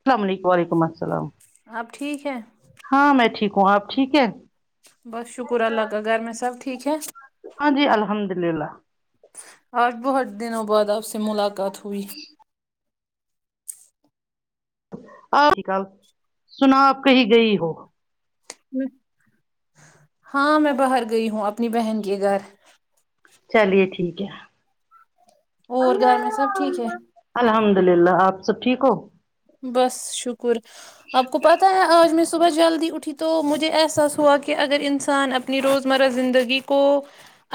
اسلام علیکم وعلیکم اسلام اپ ٹھیک ہے ہاں میں ٹھیک ہوں آپ ٹھیک ہے بس شکر اللہ کا گھر میں سب ٹھیک ہے ہاں جی الحمد اللہ آج بہت دنوں بعد آپ سے ملاقات ہوئی آپ سناؤ اپ کہی گئی ہو ہاں میں باہر گئی ہوں اپنی بہن کے گھر چلیے ٹھیک ہے اور گھر میں سب ٹھیک ہے الحمد اللہ آپ سب ٹھیک ہو بس شکر آپ کو پاتا پتا ہے آج میں صبح جلدی اٹھی تو مجھے احساس ہوا کہ اگر انسان اپنی روزمرہ زندگی کو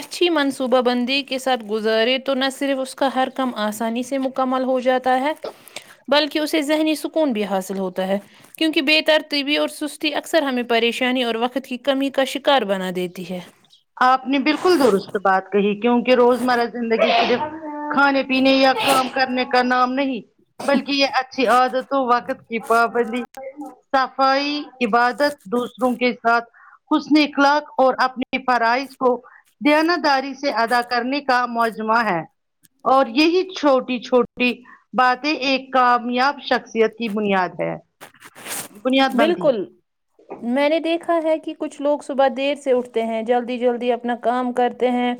اچھی منصوبہ بندی کے ساتھ گزارے تو نہ صرف اس کا ہر کم آسانی سے مو کمل ہو جاتا ہے بلکہ اسے ذہنی سکون بھی حاصل ہوتا ہے کیونکہ بے ترطیبی اور سستی اکثر ہمیں پریشانی اور وقت کی کمی کا شکار بنا دیتی ہے آپ نے بالکل درست بات کہی کیونکہ روزمرہ زندگی صرف کھانے پینے یا کام کرنے کا نام نہیں بلکہ یہ اچھی عادتوں وقت کی پابندی صفائی عبادت دوسروں کے ساتھ حسن اخلاق اور اپنی فرائض کو دیانداری سے ادا کرنے کا مجمعہ ہے اور یہی چھوٹی چھوٹی باتیں ایک کامیاب شخصیت کی بنیاد ہے بنیاد بنتی بالکل ہے میں نے دیکھا ہے کہ کچھ لوگ صبح دیر سے اٹھتے ہیں جلدی جلدی اپنا کام کرتے ہیں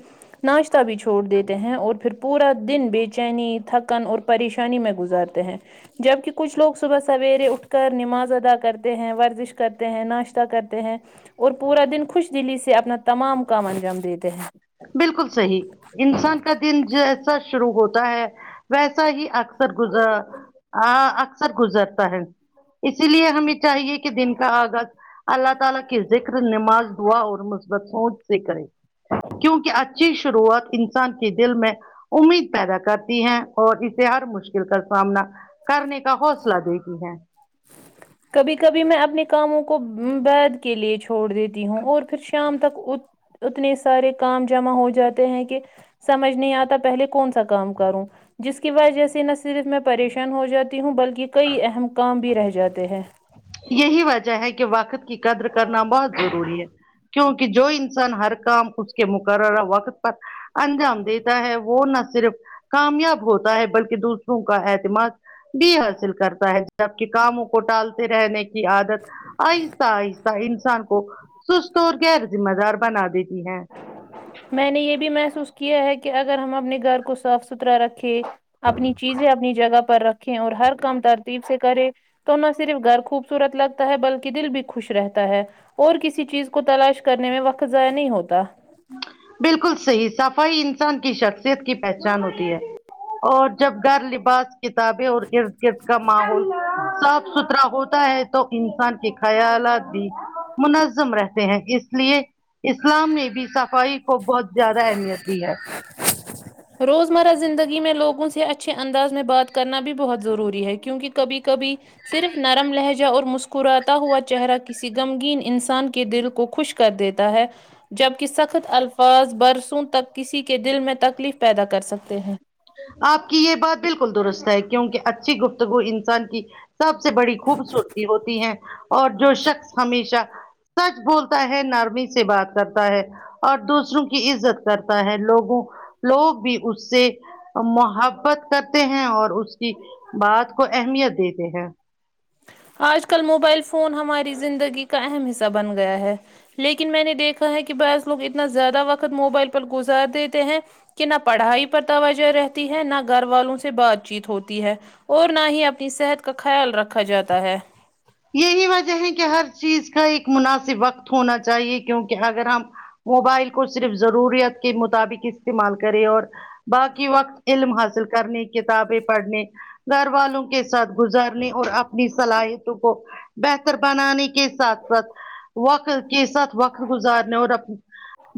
ناشتہ بھی چھوڑ دیتے ہیں اور پھر پورا دن بے چینی تھکن اور پریشانی میں گزارتے ہیں جبکہ کچھ لوگ صبح سویرے اٹھ کر نماز ادا کر کرتے ہیں ورزش کرتے ہیں ناشتہ کرتے ہیں اور پورا دن خوش دلی سے اپنا تمام کام انجام دیتے ہیں بالکل صحیح انسان کا دن جیسا شروع ہوتا ہے ویسا ہی اکثر گزرا آ اکثر گزرتا ہے اسی لیے ہمیں چاہیے کہ دن کا آغاز اللہ تعالی کی ذکر نماز دعا اور مثبت سوچ سے کرے کیونکہ اچھی شروعات انسان کی دل میں امید پیدا کرتی ہیں اور اسے ہر مشکل کا سامنا کرنے کا حوصلہ دتی ہے کبھی کبھی میں اپنے کاموں کو بیید کے لیے چھوڑ دیتی ہوں اور پھر شام تک اتنے سارے کام جمع ہو جاتے ہیں کہ سمجھ نہیں آتا پہلے کون سا کام کروں جس کی وجہ سے نہ صرف میں پریشان ہو جاتی ہوں بلکہ کئی اہم کام بھی رہ جاتے ہیں یہی وجہ ہے کہ وقت کی قدر کرنا بہت ضروری ہے کیونکہ کہ جو انسان ہر کام خود کے مقررہ وقت پر انجام دیتا ہے وہ نہ صرف کامیاب ہوتا ہے بلکہ دوسروں کا اعتماد بھی حاصل کرتا ہے جب کے کاموں کو ٹالتا تے رہنے کی عادت آہستہ آہستہ انسان کو کو سست اور غیر ذمہ دار بنا دیتی ہے میں نے یہ بھی محسوس کیا ہے کہ اگر ہم اپنے گھر کو صاف سترا رکھے اپنی چیزیں اپنی جگہ پر رکھیں اور ہر کام ترتیب سے کرے تو نہ صرف گھر خوبصورت لگتا ہے بلکہ دل بھی خوش رہتا ہے اور کسی چیز کو تلاش کرنے میں وقت ضائع نہیں ہوتا بالکل صحیح صفائی انسان کی شخصیت کی پہچان ہوتی ہے اور جب گھر لباس کتابیں اور ارد گرد کا ماحول صاف ستھرا ہوتا ہے توہ انسان کے خیالات بھی منظم رہتے ہیں اس اسلیے اسلام نے بھی صفائی کو بہت زیادہ اہمیت دی ہے روزمرہ زندگی میں لوگوں سے اچھے انداز میں بات کرنا بھی بہت ضروری ہے کیونکہ کبھی کبھی صرف نرم لہجہ اور مسکراتا ہوا چہرہ کسی غمگین انسان کے دل کو خوشک کر دیتا ہے جبکہ سخت الفاظ برسوں تک کسی کے دل میں تکلیف پیدا کر سکتے ہیں آپ کی یہ بات بالکل درست ہے کیونکہ اچھی گفتگو انسان کی سب سے بڑی خوبصورتی ہوتی ہے اور جو شخص ہمیشہ سچ بولتا ہے نرمی سے بات کرتا ہے اور دوسروں کی عزت کرتا ہے لوگوں لوگ بھی اس سے محبت کرتے ہیں اور اس کی بات کو اہمیت دیتے ہیں آج کل موبائل فون ہماری زندگی کا اہم حصہ بن گیا ہے لیکن میں نے دیکھا ہے کہ بعض لوگ اتنا زیادہ وقت موبائل پر گزار دیتے ہیں کہ نہ پڑھائی پر توجہ رہتی ہے نہ گھر والوں سے بات چیت ہوتی ہے اور نہ ہی اپنی صحت کا خیال رکھا جاتا ہے یہی وجہ ہے کہ ہر چیز کا ایک مناسب وقت ہونا چاہیے کیونکہ اگر ہم موبائل کو صرف ضروریت کے مطابق استعمال کرے اور باقی وقت علم حاصل کرنے کتابیں پڑھنے گھر والوں کے ساتھ گزارنے اور اپنی صلاحیت تو کو بہتر بنانے کے ساتھ ساتھ وقت کے ساتھ وقت گزارنے اور اپنا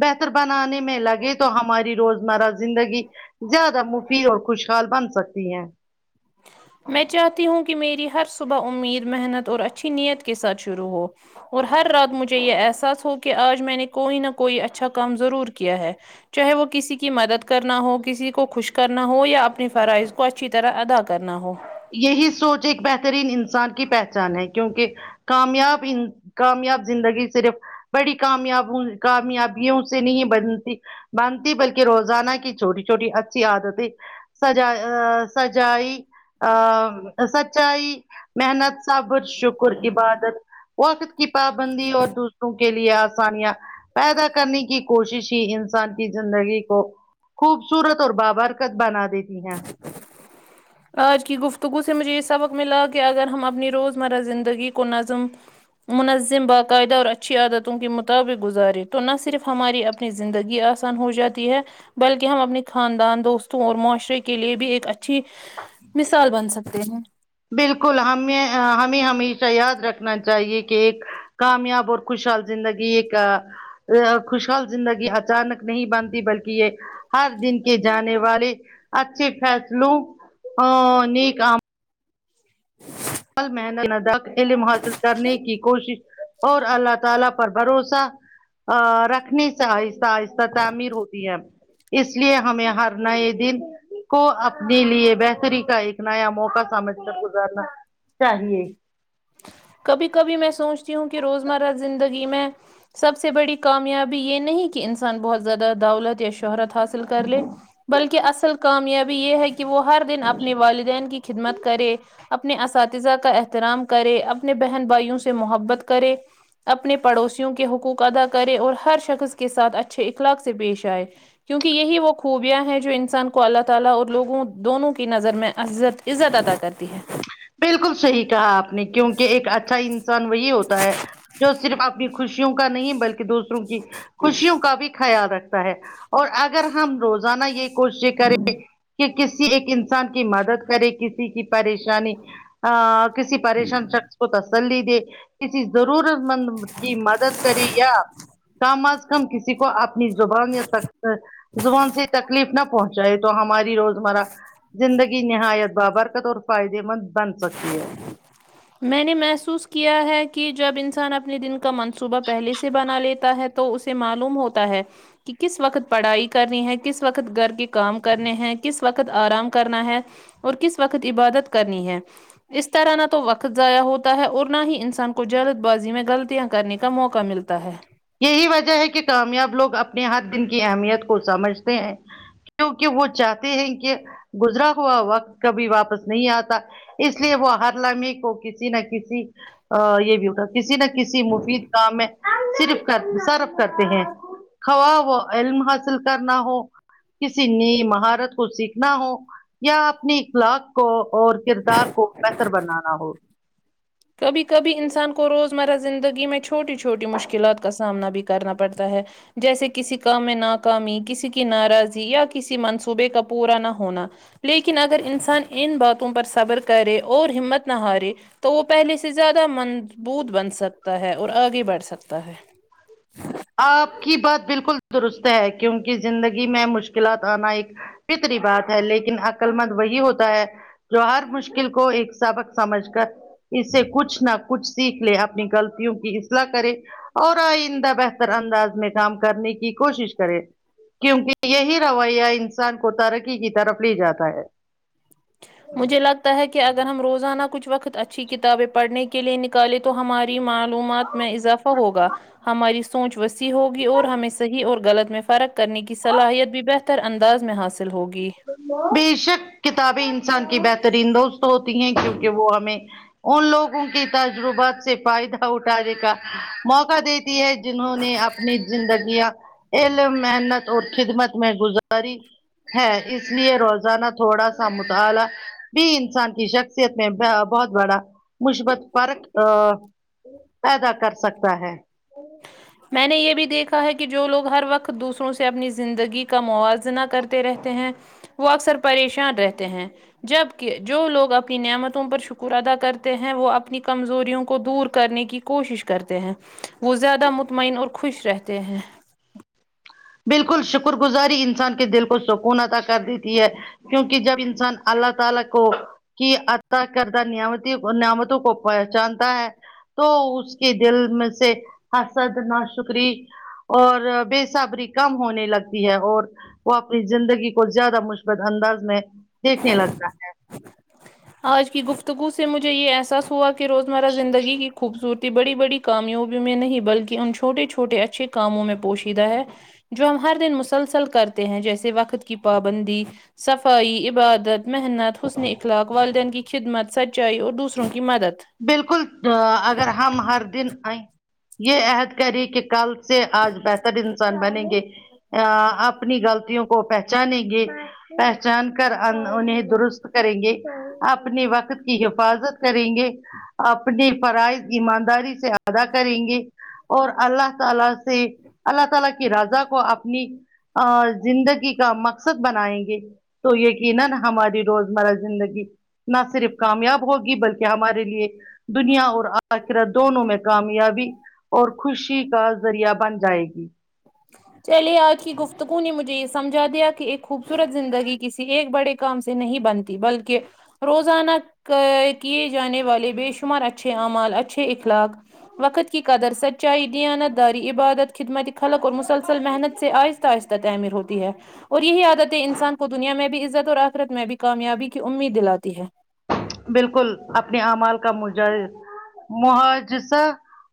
بہتر بنانے میں لگے تو ہماری روزمرہ زندگی زیادہ موفی اور خوشحال بن سکتی ہیں میں چاہتی ہوں کہ میری ہر صبح امید محنت اور اچھی نیت کے ساتھ شروع ہو اور ہر رات مجھے یہ احساس ہو کہ آج میں نے کوئی نہ کوئی اچھا کام ضرور کیا ہے چاہے وہ کسی کی مدد کرنا ہو کسی کو خوش کرنا ہو یا اپنی فرائض کو اچھی طرح ادا کرنا ہو یہی سوچ ایک بہترین انسان کی پہچان ہے کیونکہ کامیاب ان کامیاب زندگی صرف بڑی کامیاب کامیاب اس سے نہیں بنتی بنتی بلکہ روزانہ کی چھوٹی چھوٹی اچھی عادتیں سجائی سجائی ا سچائی محنت صبر شکر عبادت وقت کی پابندی اور دوسروں کے لیے آ ثانیہ پیدا کرنے کی کوشش ہی انسان کی زندگی کو خوبصورت اور بابرکت بنا دیتی ہیں آج کی گفتگو سے مجھے یے سبق ملا کی اگر ہم اپنی روز مرہ زندگی کو نظم منظم باقاعدہ اور اچھی عادتوں کے مطابق گزارے تو نہ صرف ہماری اپنی زندگی آسان ہو جاتی ہے بلکہ ہم اپنے خاندان دوستوں اور معاشرے کے لیے بھی ایک اچھی مثال بن سکتے ہیں بالکل ہمیں ہمیں ہمیشہ یاد رکھنا چاہیے کہ ایک کامیاب اور خوشحال زندگی ایک آ آ خوشحال زندگی اچانک نہیں بنتی بلکی یے ہر دن کے جانے والے اچھے فیصلوں آ نیک کام محنت علم حاصل کرنے کی کوشش اور اللہ تعالی پر بھروسہ ا رکھنے سے آہستہ آہستہ تعمیر ہوتی ہے اس لیے ہمیں ہر نئے دن کو اپنے لیے بہتری کا ایک نیا موقع سمجھ کر گزار نا چاہیے کبھی کبھی میں سوچتی ہوں کی روزمرہ زندگی میں سب سے بڑی کامیابی یے نہیں کی انسان بہت زیادہ دولت یا شہرت حاصل کر لے بلکی اصل کامیابی یے ہے کی وہ ہر دن اپنے والدین کی خدمت کرے اپنے اساتذہ کا احترام کرے اپنے بہن بھائیوں سے محبت کرے اپنے پڑوسیوں کے حقوق ادا کرے اور ہر شخص کے ساتھ اچھے اخلاق سے پیش آئے کیونکی یہی وہ خوبیاں ہیں جو انسان کو اللہ تعالی اور لوگوں دونوں کی نظر میں عزت عزت ادا کرتی ہے بالکل صحیح کہا آپ نے کیونکہ ایک اچھا انسان وہی ہوتا ہے جو صرف اپنی خوشیوں کا نہیں بلکی دوسروں کی خوشیوں کا بھی خیال رکھ تا ہے اور اگر ہم روزانہ یے کوششیں کریں کی کسی ایک انسان کی مدد کرے کسی کی پریشانی آ کسی پریشان شخص کو تسلی دے کسی ضرورت مند کی مدد کرے یا کام آس ہم کسی کو اپنی زبان یا زبان سے تکلیف نہ پہنچائے تو ہماری روز مراہ زندگی نہایت بابرکت اور فائدے مند بن سکتی ہے میں نے محسوس کیا ہے کی جب انسان اپنے دن کا منصوبہ پہلے سے بنا لیتا ہے تو اسے معلوم ہوتا ہے کی کس وقت پڑھائی کرنی ہے کس وقت گھر کے کام کرنے ہیں کس وقت آرام کرنا ہے اور کس وقت عبادت کرنی ہے اس طرح نہ تو وقت ضائع ہوتا ہے اور نہ ہی انسان کو جلد بازی میں غلطیاں کرنے کا موقع ملتا ہے یہی وجہ ہے کہ کامیاب لوگ اپنے ہر دن کی اہمیت کو سمجھتے ہیں کیونکی وہ چاہتے ہیں کہ گزرا ہوا وقت کبھی واپس نہیں آتا اس لیے وہ ہر لمحے کو کسی نہ کسی یے بھی ہوتا کسی نہ کسی مفید کام میں صرف کر صراف کرتے تے ہے خواہ و علم حاصل کرنا ہو کسی نئی مہارت کو سیکھنا ہو یا اپنے اخلاق کو اور کردار کو بہتر بنانا ہو کبھی کبھی انسان کو روزمرہ زندگی میں چھوٹی چھوٹی مشکلات کا سامنا بھی کرنا پڑتا ہے جیسے کسی کام میں ناکامی کسی کی ناراضی یا کسی منصوبے کا پورا نہ ہونا لیکن اگر انسان ان باتوں پر صبر کرے اور ہمت نہ ہارے تو وہ پہلے سے زیادہ مضبوط بن سکتا ہے اور آگے بڑھ سکتا ہے آپ کی بات بالکل درست ہے کیونکہ زندگی میں مشکلات آنا ایک فطری بات ہے لیکن عقل مند وہی ہوتا ہے جو ہر مشکل کو ایک سبق سمجھ کر اس سے کچھ نہ کچھ سیکھ لے اپنی غلطیوں کی اصلاح کرے اور آئندہ بہتر انداز میں کام کرنے کی کوشش کرے کیونکہ یہی رویہ انسان کو ترقی کی طرف لے جاتا ہے مجھے لگتا ہے کہ اگر ہم روزانہ کچھ وقت اچھی کتابیں پڑھنے کے لیے نکالیں تو ہماری معلومات میں اضافہ ہوگا ہماری سوچ وسیع ہوگی اور ہمیں صحیح اور غلط میں فرق کرنے کی صلاحیت بھی بہ تر انداز میں حاصل ہوگی بے شک کتابیں انسان کی بہترین دوست ہوتی ہیں کیونکہ وہ ہمیں ان لوگوں کے تجربات سے فائدہ اٹھانے کا موقع دی تی ہے جنہوں نے اپنی زندگیاں علم محنت اور خدمت میں گزاری ہے اس لیے روزانہ تھوڑا سا مطالعہ بھی انسان کی شخصیت میں ب بہت بڑا مثبت فرق ا پیدا کر سکتا ہے [unintelligible] میں نے یہ بھی دیکھا ہے کہ جو لوگ ہر وقت دوسروں سے اپنی زندگی کا موازنہ کرتے رہتے ہیں وہ اکثر پریشان رہتے ہیں جبکہ جو لوگ اپنی نعمتوں پر شکر ادا کرتے ہیں وہ اپنی کمزوریوں کو دور کرنے کی کوشش کرتے ہیں وہ زیادہ مطمین اور خوش رہتے ہیں بالکل شکر گزاری انسان کے دل کو سکون عطا کر دیتی ہے کیونکہ جب انسان اللہ تعالی کو کی عطا کردہ نمتی نعمتوں کو پہچانتا ہے تو اس کے دل میں سے حسد نہ شکری اور بےصبری کم ہونے لگتی ہے اور وہ اپنی زندگی کو زیادہ مثبت انداز میں دیکھنے لگتا ہے آج کی گفتگو سے مجھے یہ احساس ہوا کہ روزمرہ زندگی کی خوبصورتی بڑی بڑی کامیابیوں میں نہیں بلکہ ان چھوٹے چھوٹے اچھے کاموں میں پوشیدہ ہے جو ہم ہر دن مسلسل کرتے ہیں جیسے وقت کی پابندی صفائی عبادت محنت حسن اخلاق والدین کی خدمت سچائی اور دوسروں کی مدد بالکل اگر ہم ہر دن آئیں یہ عہد کریں کہ کل سے آج بہتر انسان بنیں گے ا اپنی غلطیوں کو پہچانیں گے پہ چان کر انہیں درست کریں گے اپنے وقت کی حفاظت کریں گے اپنی فرائض ایمانداری سے ادا کریں گے اور اللہ تعالی سے اللہ تعالی کی رضا کو اپنی اور زندگی کا مقصد بنائیں گے تو یقینا ہماری روزمرہ زندگی نہ صرف کامیاب ہوگی بلکہ ہماریے کےلیے دنیا اور آخرہ دونوں میں کامیابی اور خوشی کا ذریعہ بن جائے گی چلے آج کی گفتگو نے مجھے یہ سمجھا دیا کہ ایک خوبصورت زندگی کسی ایک بڑے کام سے نہیں بنتی بلکہ روزانہ کیے جانے والے بے شمار اچھے اعمال اچھے اخلاق وقت کی قدر سچائی دیانت داری عبادت خدمتی خلق اور مسس سل محنت سے آہستہ آہستہ تعمیر ہوتی ہے اور یہی عادتیں انسان کو دنیا میں بھی عزت اور آخرت میں بھی کامیابی کی امید دلاتی ہے بالکل اپنے اعمال کا مج محاجسہ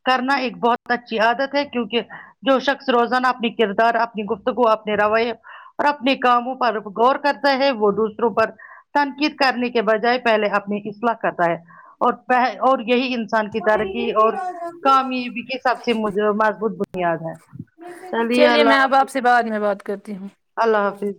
کرنا ایک بہت اچھی عادت ہے کیونکہ جو شخص روزانہ اپنی کردار اپنی گفتگو اپنے رویے اور اپنے کاموں پر غور کرتا ہے وہ دوسروں پر تنقید کرنے کے بجائے پہلے اپنی اصلاح کرتا ہے اور پ اور یہی انسان ترقی اور کامیابی کے حساب سے مجھے مضبوط بنیاد ہے چلیے میں اللہ اب حافظ آپ سے بعد میں بات کرتی ہوں اللہ حافظ